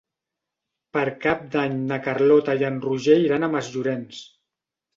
Per Cap d'Any na Carlota i en Roger iran a Masllorenç.